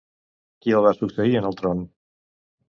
Qui el va succeir en el tron?